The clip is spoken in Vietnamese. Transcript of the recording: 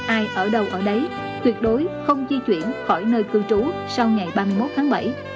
ai ở đâu ở đấy tuyệt đối không di chuyển khỏi nơi cư trú sau ngày ba mươi một tháng bảy